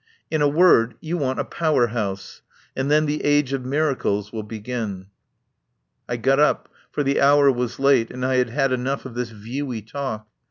In a word, you want a Power House, and then the age of miracles will begin." I got up, for the hour was late, and I had had enough of this viewy talk.